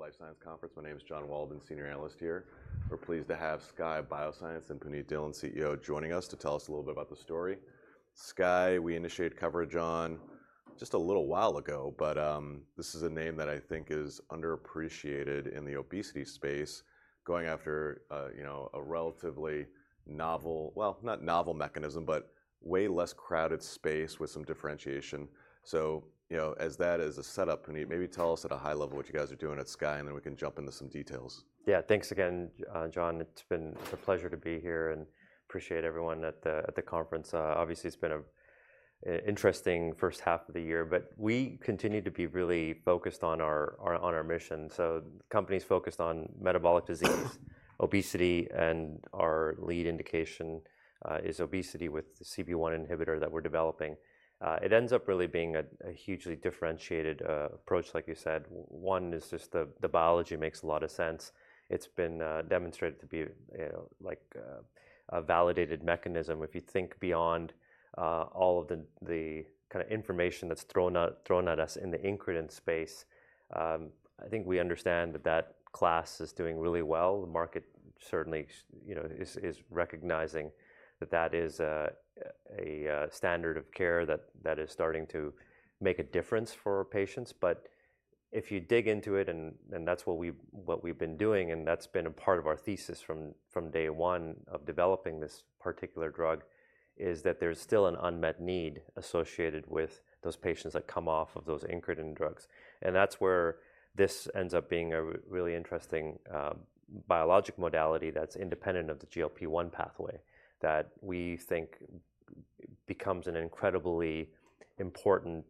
Of the Citizens Life Science Conference. My name is John Walden, Senior Analyst here. We're pleased to have Skye Bioscience and Punit Dhillon, CEO, joining us to tell us a little bit about the story. Skye Bioscience, we initiated coverage on just a little while ago, but this is a name that I think is underappreciated in the obesity space, going after a relatively novel—not novel mechanism, but way less crowded space with some differentiation. As that is a setup, Puneet, maybe tell us at a high level what you guys are doing at Skye Bioscience, and then we can jump into some details. Yeah, thanks again, John Walden. It's been a pleasure to be here and appreciate everyone at the conference. Obviously, it's been an interesting first half of the year, but we continue to be really focused on our mission. The company's focused on metabolic disease, obesity, and our lead indication is obesity with the CB1 inhibitor that we're developing. It ends up really being a hugely differentiated approach, like you said. One is just the biology makes a lot of sense. It's been demonstrated to be a validated mechanism. If you think beyond all of the kind of information that's thrown at us in the incretin space, I think we understand that that class is doing really well. The market certainly is recognizing that that is a standard of care that is starting to make a difference for patients. If you dig into it, and that's what we've been doing, and that's been a part of our thesis from day one of developing this particular drug, there's still an unmet need associated with those patients that come off of those incretin drugs. That's where this ends up being a really interesting biologic modality that's independent of the GLP-1 pathway that we think becomes an incredibly important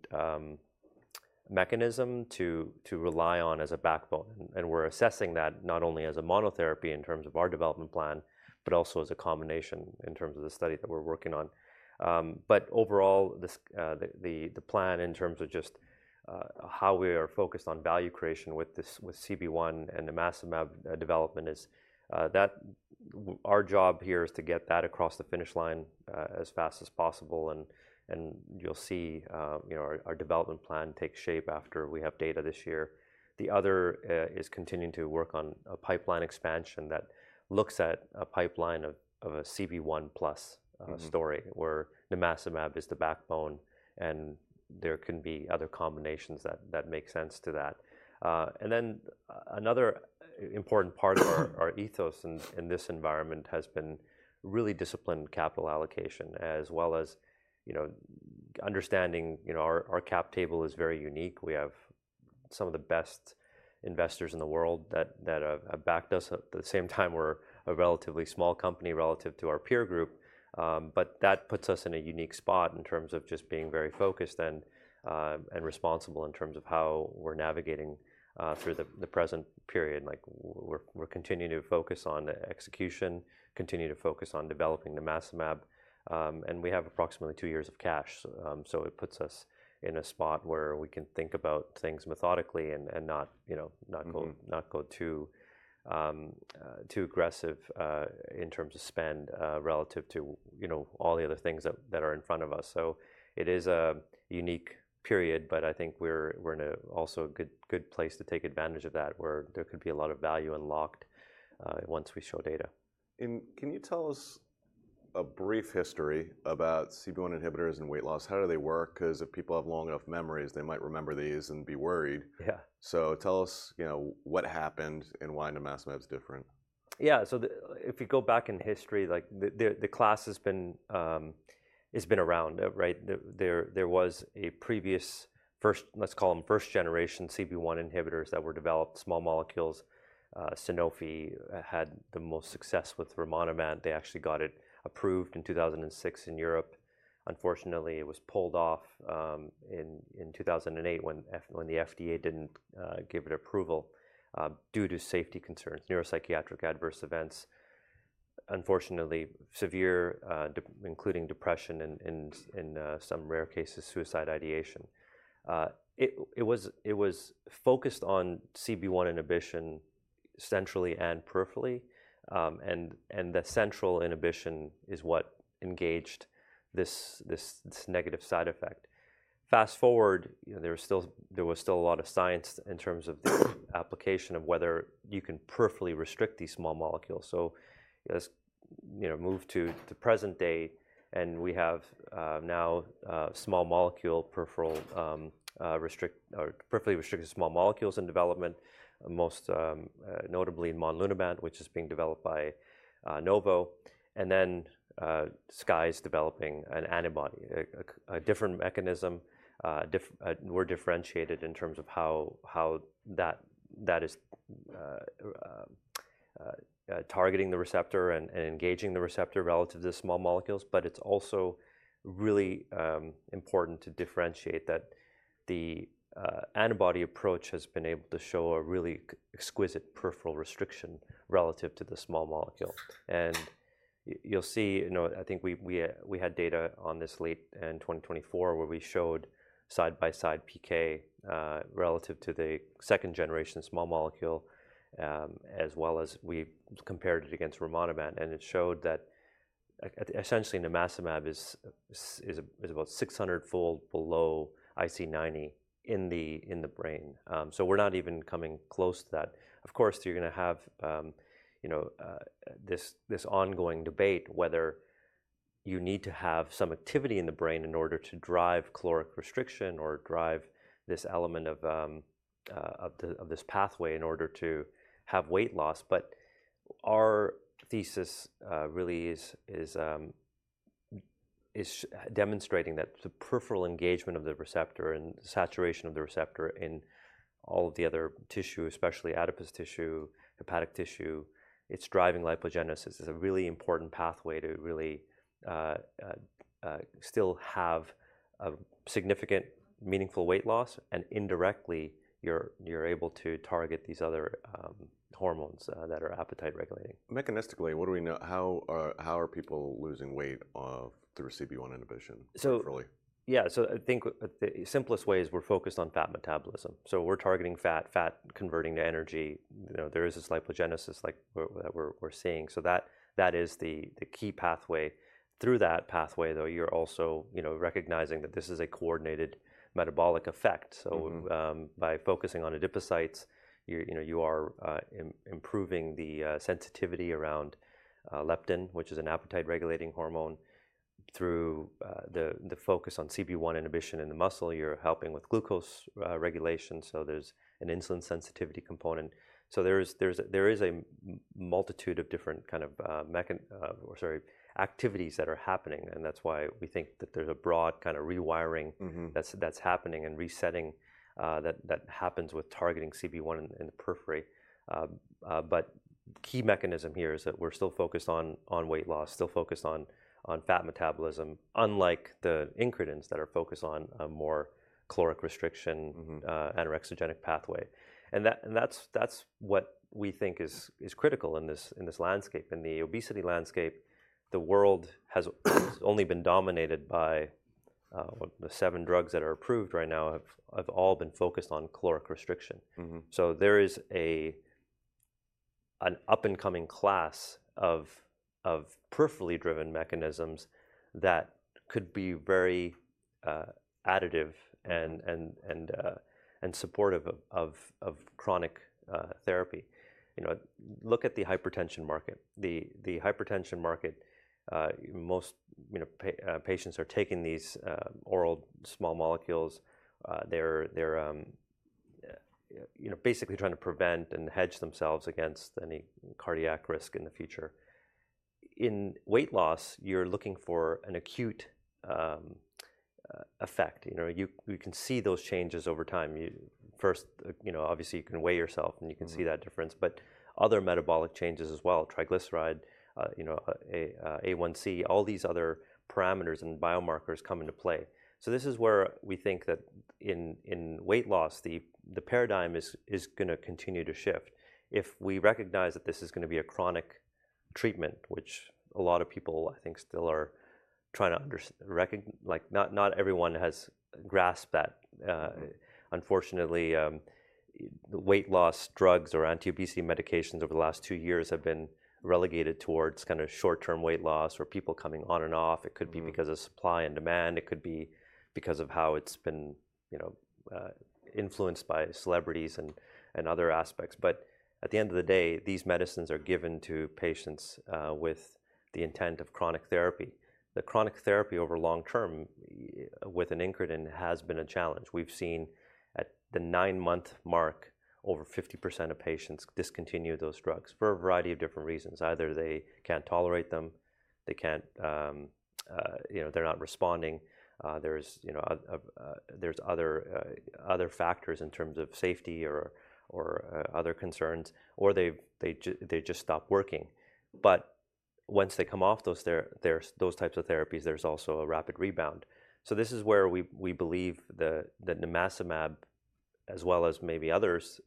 mechanism to rely on as a backbone. We're assessing that not only as a monotherapy in terms of our development plan, but also as a combination in terms of the study that we're working on. Overall, the plan in terms of just how we are focused on value creation with CB1 and the mass development is that our job here is to get that across the finish line as fast as possible. You'll see our development plan take shape after we have data this year. The other is continuing to work on a pipeline expansion that looks at a pipeline of a CB1 plus story where the mass is the backbone, and there can be other combinations that make sense to that. Another important part of our ethos in this environment has been really disciplined capital allocation, as well as understanding our cap table is very unique. We have some of the best investors in the world that have backed us. At the same time, we're a relatively small company relative to our peer group, but that puts us in a unique spot in terms of just being very focused and responsible in terms of how we're navigating through the present period. We're continuing to focus on execution, continuing to focus on developing the nimacimab, and we have approximately two years of cash. It puts us in a spot where we can think about things methodically and not go too aggressive in terms of spend relative to all the other things that are in front of us. It is a unique period, but I think we're in also a good place to take advantage of that where there could be a lot of value unlocked once we show data. Can you tell us a brief history about CB1 inhibitors and weight loss? How do they work? Because if people have long enough memories, they might remember these and be worried. Tell us what happened and why the nimacimab is different. Yeah, so if you go back in history, the class has been around. There was a previous—let's call them first generation CB1 inhibitors that were developed, small molecules. Sanofi had the most success with rimonabant. They actually got it approved in 2006 in Europe. Unfortunately, it was pulled off in 2008 when the FDA didn't give it approval due to safety concerns, neuropsychiatric adverse events, unfortunately severe, including depression and in some rare cases, suicide ideation. It was focused on CB1 inhibition centrally and peripherally, and the central inhibition is what engaged this negative side effect. Fast-forward, there was still a lot of science in terms of application of whether you can peripherally restrict these small molecules. Move to present day, and we have now small molecule peripherally restricted small molecules in development, most notably in Monlunabant, which is being developed by Novo Nordisk. Skye Bioscience is developing an antibody, a different mechanism. We're differentiated in terms of how that is targeting the receptor and engaging the receptor relative to the small molecules, but it's also really important to differentiate that the antibody approach has been able to show a really exquisite peripheral restriction relative to the small molecule. You'll see, I think we had data on this late in 2024 where we showed side-by-side PK relative to the second generation small molecule, as well as we compared it against rimonabant, and it showed that essentially the nimacimab is about 600-fold below IC90 in the brain. We're not even coming close to that. Of course, you're going to have this ongoing debate whether you need to have some activity in the brain in order to drive caloric restriction or drive this element of this pathway in order to have weight loss. Our thesis really is demonstrating that the peripheral engagement of the receptor and saturation of the receptor in all of the other tissue, especially adipose tissue, hepatic tissue, it's driving lipogenesis. It's a really important pathway to really still have significant, meaningful weight loss, and indirectly you're able to target these other hormones that are appetite regulating. Mechanistically, how are people losing weight through CB1 inhibition peripherally? Yeah, so I think the simplest way is we're focused on fat metabolism. We're targeting fat, fat converting to energy. There is this lipogenesis that we're seeing. That is the key pathway. Through that pathway, though, you're also recognizing that this is a coordinated metabolic effect. By focusing on adipocytes, you are improving the sensitivity around leptin, which is an appetite regulating hormone. Through the focus on CB1 inhibition in the muscle, you're helping with glucose regulation. There's an insulin sensitivity component. There is a multitude of different kinds of activities that are happening, and that's why we think that there's a broad kind of rewiring that's happening and resetting that happens with targeting CB1 in the periphery. Key mechanism here is that we're still focused on weight loss, still focused on fat metabolism, unlike the incretins that are focused on a more caloric restriction and an exogenic pathway. That's what we think is critical in this landscape. In the obesity landscape, the world has only been dominated by the seven drugs that are approved right now, have all been focused on caloric restriction. There is an up-and-coming class of peripherally driven mechanisms that could be very additive and supportive of chronic therapy. Look at the hypertension market. The hypertension market, most patients are taking these oral small molecules. They're basically trying to prevent and hedge themselves against any cardiac risk in the future. In weight loss, you're looking for an acute effect. You can see those changes over time. First, obviously, you can weigh yourself and you can see that difference, but other metabolic changes as well, triglyceride, A1C, all these other parameters and biomarkers come into play. This is where we think that in weight loss, the paradigm is going to continue to shift. If we recognize that this is going to be a chronic treatment, which a lot of people, I think, still are trying to—not everyone has grasped that. Unfortunately, weight loss drugs or anti-obesity medications over the last two years have been relegated towards kind of short-term weight loss or people coming on and off. It could be because of supply and demand. It could be because of how it's been influenced by celebrities and other aspects. At the end of the day, these medicines are given to patients with the intent of chronic therapy. The chronic therapy over long-term with an increment has been a challenge. We've seen at the nine-month mark, over 50% of patients discontinue those drugs for a variety of different reasons. Either they can't tolerate them, they're not responding, there's other factors in terms of safety or other concerns, or they just stop working. Once they come off those types of therapies, there's also a rapid rebound. This is where we believe that nimacimab, as well as maybe others,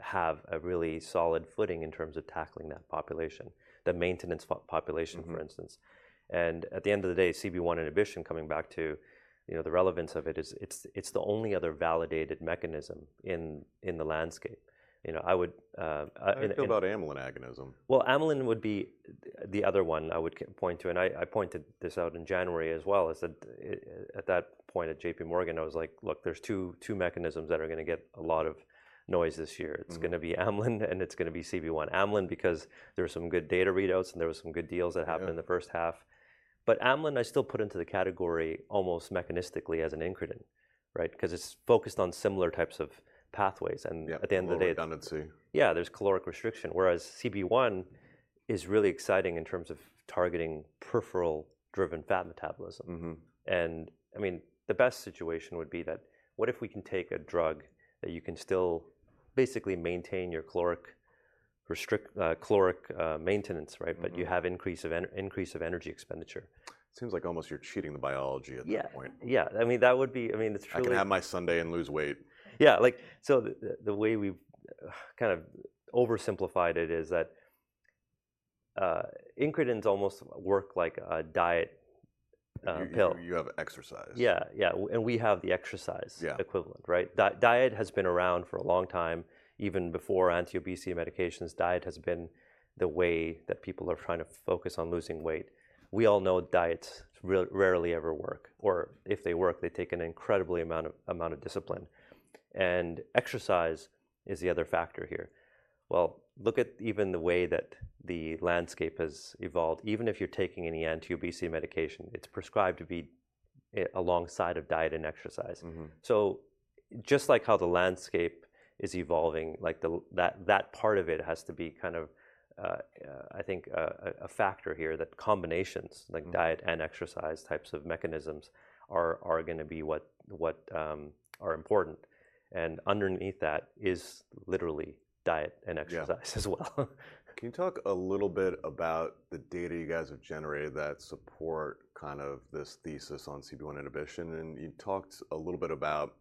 have a really solid footing in terms of tackling that population, the maintenance population, for instance. At the end of the day, CB1 inhibition, coming back to the relevance of it, it's the only other validated mechanism in the landscape. What about amylin agonism? Amylin would be the other one I would point to. I pointed this out in January as well. At that point at J.P. Morgan, I was like, "Look, there's two mechanisms that are going to get a lot of noise this year. It's going to be amylin and it's going to be CB1." Amylin, because there were some good data readouts and there were some good deals that happened in the first-half. Amylin, I still put into the category almost mechanistically as an increment, because it's focused on similar types of pathways. [inaudible] Yeah, there's caloric restriction. Yeah, there's caloric restriction, whereas CB1 is really exciting in terms of targeting peripheral-driven fat metabolism. I mean, the best situation would be that what if we can take a drug that you can still basically maintain your caloric maintenance, but you have increase of energy expenditure. It seems like almost you're cheating the biology at that point. Yeah, yeah. I mean, that would be—I mean, it's true. I can have my Sunday and lose weight. Yeah. The way we've kind of oversimplified it is that incretins almost work like a diet pill. You have exercise. Yeah, yeah. We have the exercise equivalent. Diet has been around for a long time, even before anti-obesity medications. Diet has been the way that people are trying to focus on losing weight. We all know diets rarely ever work, or if they work, they take an incredible amount of discipline. Exercise is the other factor here. Look at even the way that the landscape has evolved. Even if you're taking any anti-obesity medication, it's prescribed to be alongside of diet and exercise. Just like how the landscape is evolving, that part of it has to be kind of, I think, a factor here that combinations like diet and exercise types of mechanisms are going to be what are important. Underneath that is literally diet and exercise as well. Can you talk a little bit about the data you guys have generated that support kind of this thesis on CB1 inhibition? You talked a little bit about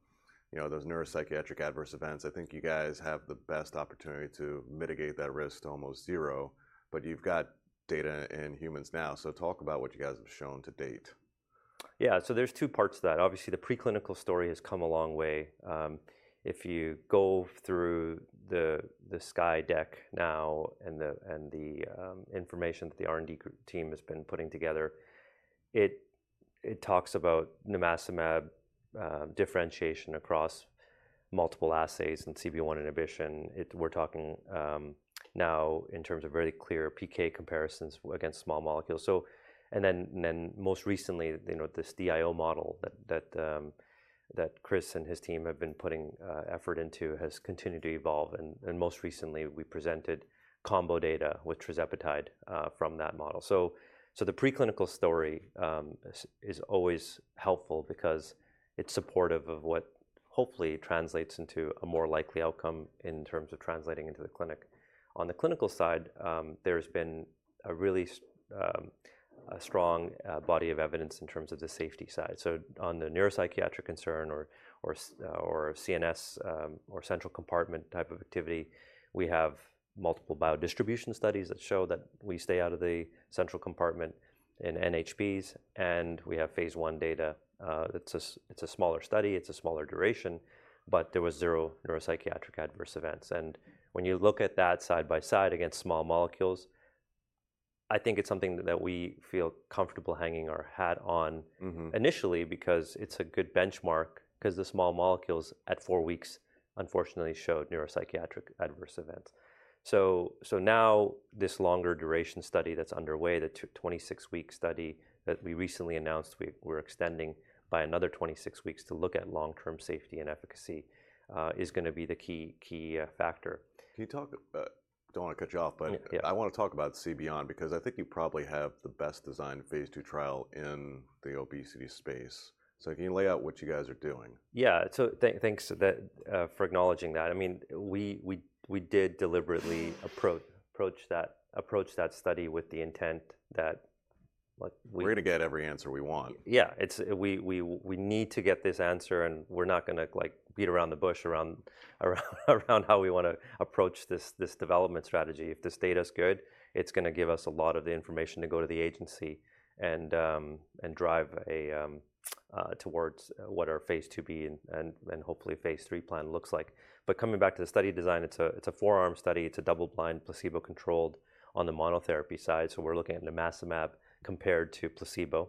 those neuropsychiatric adverse events. I think you guys have the best opportunity to mitigate that risk to almost zero, but you've got data in humans now. Talk about what you guys have shown to date. Yeah, so there's two parts to that. Obviously, the preclinical story has come a long way. If you go through the Skye deck now and the information that the R&D team has been putting together, it talks about the nimacimab differentiation across multiple assays and CB1 inhibition. We're talking now in terms of very clear PK comparisons against small molecules. Most recently, this DIO model that Chris Twitty and his team have been putting effort into has continued to evolve. Most recently, we presented combo data with tirzepatide from that model. The preclinical story is always helpful because it's supportive of what hopefully translates into a more likely outcome in terms of translating into the clinic. On the clinical side, there has been a really strong body of evidence in terms of the safety side. On the neuropsychiatric concern or CNS or central compartment type of activity, we have multiple biodistribution studies that show that we stay out of the central compartment in NHPs. We have phase I data. It's a smaller study. It's a smaller duration, but there were zero neuropsychiatric adverse events. When you look at that side by side against small molecules, I think it's something that we feel comfortable hanging our hat on initially because it's a good benchmark because the small molecules at four weeks, unfortunately, showed neuropsychiatric adverse events. Now this longer duration study that's underway, the 26-week study that we recently announced we're extending by another 26 weeks to look at long-term safety and efficacy is going to be the key factor. I don't want to cut you off, but I want to talk about CB1 because I think you probably have the best designed phase II trial in the obesity space. Can you lay out what you guys are doing? Yeah, so thanks for acknowledging that. I mean, we did deliberately approach that study with the intent that we. We're going to get every answer we want. Yeah, we need to get this answer, and we're not going to beat around the bush around how we want to approach this development strategy. If this data is good, it's going to give us a lot of the information to go to the agency and drive towards what our phase IIb and hopefully phase III plan looks like. Coming back to the study design, it's a four-arm study. It's a double-blind placebo-controlled on the monotherapy side. We're looking at the nimacimab compared to placebo.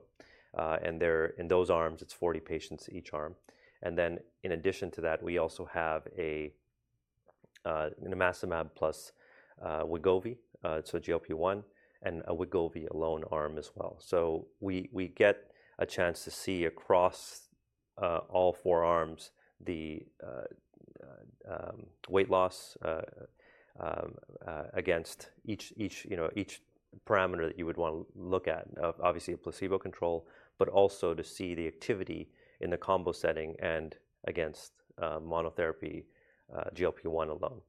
In those arms, it's 40 patients each arm. In addition to that, we also have a nimacimab plus Wegovy, so GLP-1 and a Wegovy alone arm as well. We get a chance to see across all four arms the weight loss against each parameter that you would want to look at, obviously a placebo control, but also to see the activity in the combo setting and against monotherapy GLP-1 alone.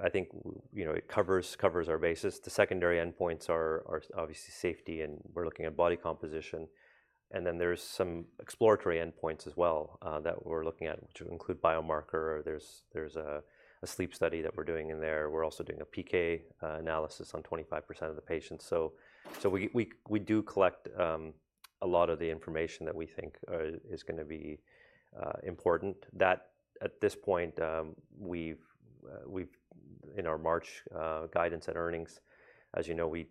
I think it covers our basis. The secondary endpoints are obviously safety, and we're looking at body composition. Then there's some exploratory endpoints as well that we're looking at, which include biomarker. There's a sleep study that we're doing in there. We're also doing a PK analysis on 25% of the patients. We do collect a lot of the information that we think is going to be important. At this point, in our March guidance and earnings, as you know, we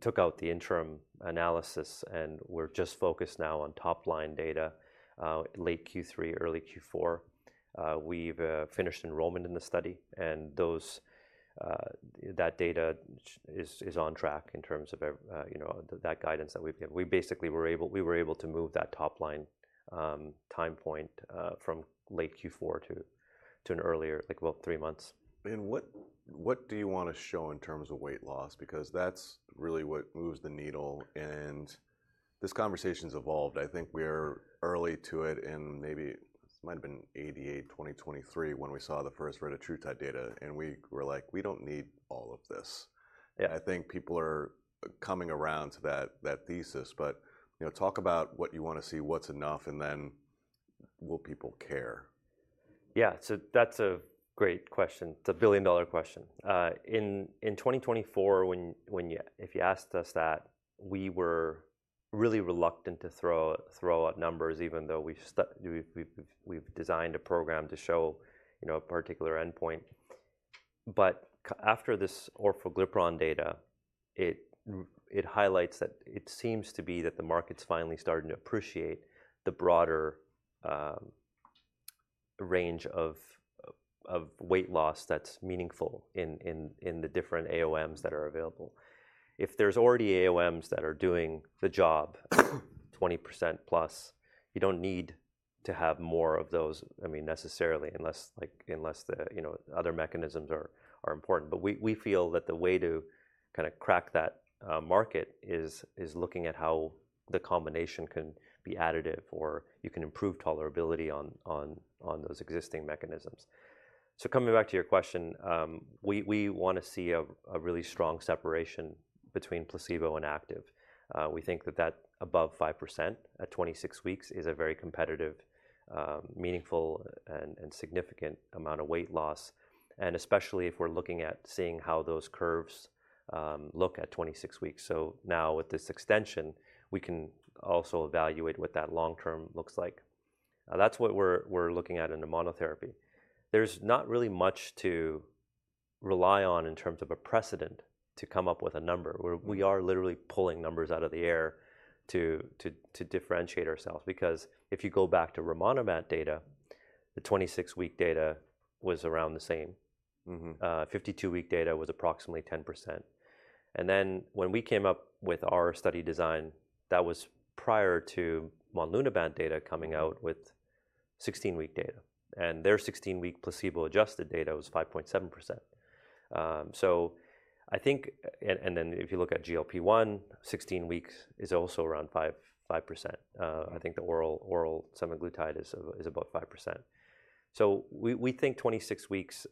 took out the interim analysis, and we're just focused now on top-line data, late Q3, early Q4. We've finished enrollment in the study, and that data is on track in terms of that guidance that we've given. We basically were able to move that top-line time point from late Q4 to an earlier, like about three months. What do you want to show in terms of weight loss? Because that's really what moves the needle. This conversation has evolved. I think we're early to it in maybe this might have been 1988, 2023, when we saw the first read of TrueTide data. We were like, "We don't need all of this." I think people are coming around to that thesis, but talk about what you want to see, what's enough, and then will people care? Yeah, so that's a great question. It's a billion-dollar question. In 2024, if you asked us that, we were really reluctant to throw out numbers, even though we've designed a program to show a particular endpoint. After this orphoglyperon data, it highlights that it seems to be that the market's finally starting to appreciate the broader range of weight loss that's meaningful in the different AOMs that are available. If there's already AOMs that are doing the job 20%+, you don't need to have more of those necessarily unless other mechanisms are important. We feel that the way to kind of crack that market is looking at how the combination can be additive or you can improve tolerability on those existing mechanisms. Coming back to your question, we want to see a really strong separation between placebo and active. We think that above 5% at 26 weeks is a very competitive, meaningful, and significant amount of weight loss, especially if we're looking at seeing how those curves look at 26 weeks. Now with this extension, we can also evaluate what that long-term looks like. That's what we're looking at in the monotherapy. There's not really much to rely on in terms of a precedent to come up with a number. We are literally pulling numbers out of the air to differentiate ourselves. Because if you go back to rimonabant data, the 26-week data was around the same. The 52-week data was approximately 10%. When we came up with our study design, that was prior to tirzepatide data coming out with 16-week data. Their 16-week placebo-adjusted data was 5.7%. I think, and then if you look at GLP-1, 16 weeks is also around 5%. I think the oral semaglutide is about 5%. So we think 26 weeks,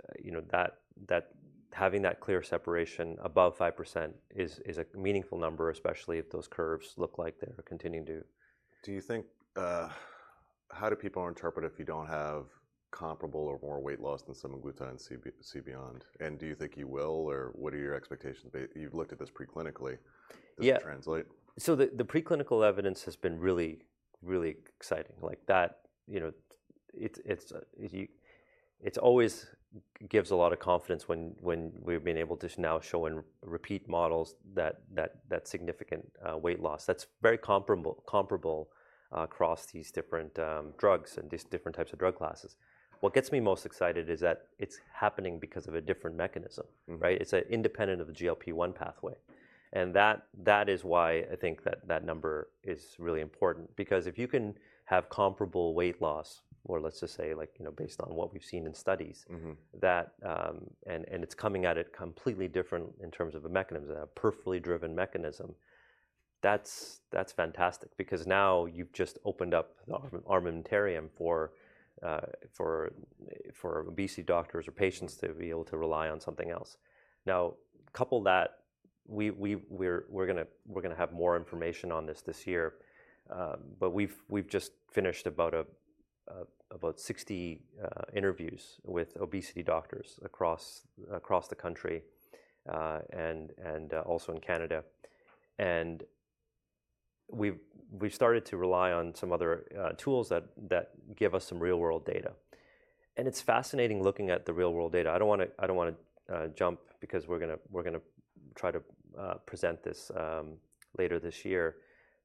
having that clear separation above 5% is a meaningful number, especially if those curves look like they're continuing to. Do you think how do people interpret if you don't have comparable or more weight loss than semaglutide and CB1? Do you think you will, or what are your expectations? You've looked at this preclinically. Does it translate? Yeah. The preclinical evidence has been really, really exciting. It always gives a lot of confidence when we've been able to now show and repeat models that significant weight loss. That's very comparable across these different drugs and these different types of drug classes. What gets me most excited is that it's happening because of a different mechanism. It's independent of the GLP-1 pathway. That is why I think that number is really important. Because if you can have comparable weight loss, or let's just say based on what we've seen in studies, and it's coming at it completely different in terms of a mechanism, a peripherally driven mechanism, that's fantastic. Because now you've just opened up the armamentarium for obesity doctors or patients to be able to rely on something else. Now, couple that, we're going to have more information on this this year, but we've just finished about 60 interviews with obesity doctors across the country and also in Canada. We've started to rely on some other tools that give us some real-world data. It's fascinating looking at the real-world data. I don't want to jump because we're going to try to present this later this year.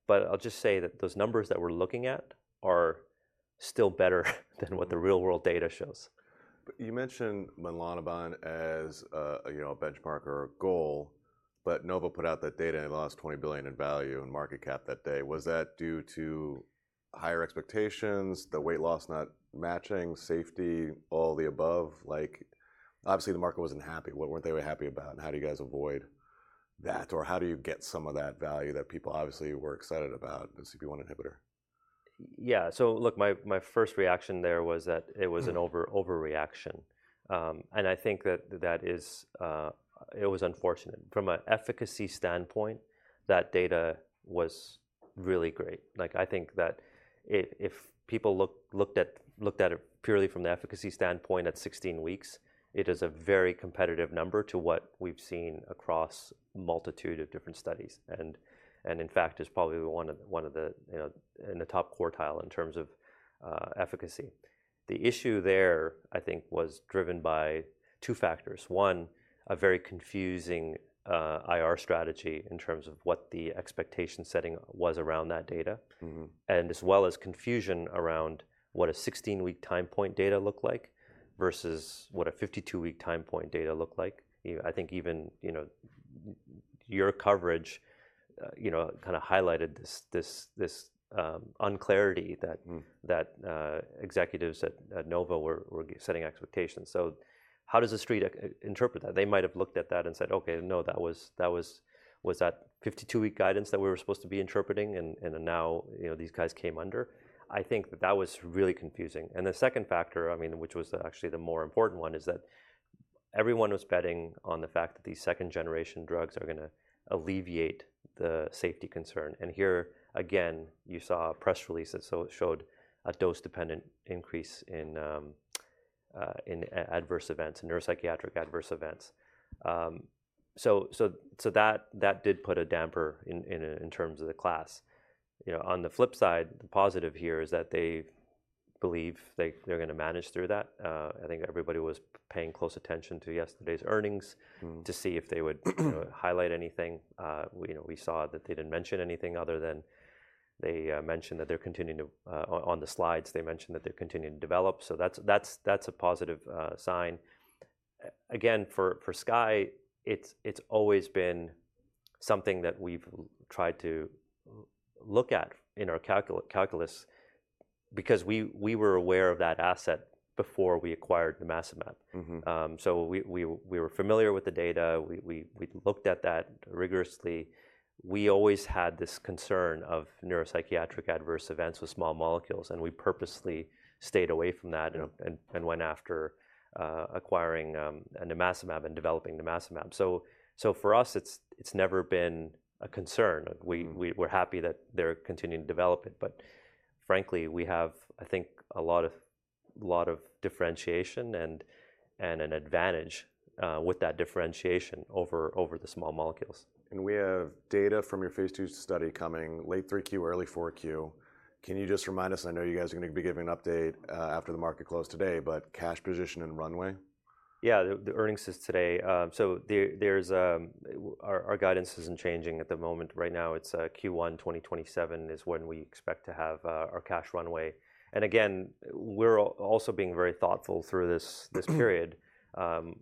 I'll just say that those numbers that we're looking at are still better than what the real-world data shows. You mentioned monlunabant as a benchmark or a goal, but Novo Nordisk put out that data and lost $20 billion in value and market cap that day. Was that due to higher expectations, the weight loss not matching, safety, all the above? Obviously, the market was not happy. What were they not happy about? How do you guys avoid that? How do you get some of that value that people obviously were excited about the CB1 inhibitor? Yeah, so look, my first reaction there was that it was an overreaction. I think that it was unfortunate. From an efficacy stand-point, that data was really great. I think that if people looked at it purely from the efficacy stand-point at 16 weeks, it is a very competitive number to what we've seen across a multitude of different studies. In fact, it's probably one of the in the top quartile in terms of efficacy. The issue there, I think, was driven by two factors. One, a very confusing IR strategy in terms of what the expectation setting was around that data, as well as confusion around what a 16-week time point data looked like versus what a 52-week time point data looked like. I think even your coverage kind of highlighted this unclarity that executives at Novo Nordisk were setting expectations. How does the street interpret that? They might have looked at that and said, "Okay, no, that was that 52-week guidance that we were supposed to be interpreting, and now these guys came under." I think that that was really confusing. The second factor, which was actually the more important one, is that everyone was betting on the fact that these second-generation drugs are going to alleviate the safety concern. Here, again, you saw a press release that showed a dose-dependent increase in adverse events, in neuropsychiatric adverse events. That did put a damper in terms of the class. On the flip side, the positive here is that they believe they're going to manage through that. I think everybody was paying close attention to yesterday's earnings to see if they would highlight anything. We saw that they didn't mention anything other than they mentioned that they're continuing to, on the slides, they mentioned that they're continuing to develop. That's a positive sign. Again, for Skye Bioscience, it's always been something that we've tried to look at in our calculus because we were aware of that asset before we acquired the nimacimab. We were familiar with the data. We looked at that rigorously. We always had this concern of neuropsychiatric adverse events with small molecules, and we purposely stayed away from that and went after acquiring the nimacimab and developing the nimacimab. For us, it's never been a concern. We're happy that they're continuing to develop it. Frankly, we have, I think, a lot of differentiation and an advantage with that differentiation over the small molecules. We have data from your phase two study coming, late Q3, early Q4. Can you just remind us? I know you guys are going to be giving an update after the market closed today, but cash position and runway? Yeah, the earnings is today. Our guidance isn't changing at the moment. Right now, it's Q1 2027 is when we expect to have our cash runway. Again, we're also being very thoughtful through this period. From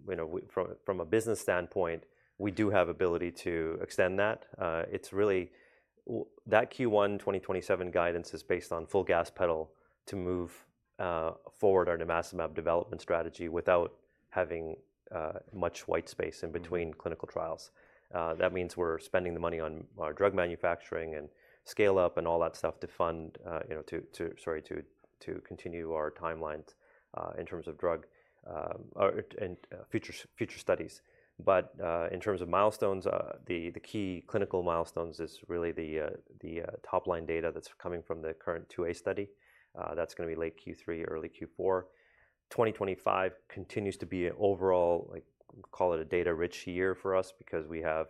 a business standpoint, we do have the ability to extend that. That Q1 2027 guidance is based on full gas pedal to move forward our nimacimab development strategy without having much white space in between clinical trials. That means we're spending the money on our drug manufacturing and scale-up and all that stuff to continue our timelines in terms of drug and future studies. In terms of milestones, the key clinical milestones is really the top-line data that's coming from the current two A study. That's going to be late Q3, early Q4. 2025 continues to be an overall, call it a data-rich year for us because we have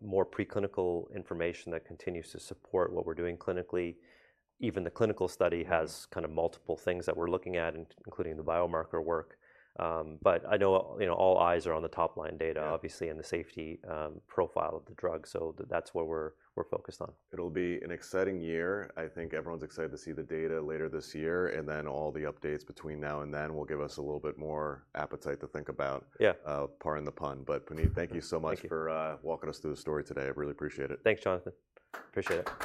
more preclinical information that continues to support what we're doing clinically. Even the clinical study has kind of multiple things that we're looking at, including the biomarker work. I know all eyes are on the top-line data, obviously, and the safety profile of the drug. That's what we're focused on. It'll be an exciting year. I think everyone's excited to see the data later this year. All the updates between now and then will give us a little bit more appetite to think about, pardon the pun. Punit Dhillon, thank you so much for walking us through the story today. I really appreciate it. Thanks, John Walden. Appreciate it.